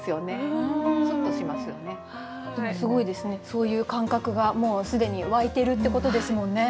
そういう感覚がもうすでに湧いてるってことですもんね。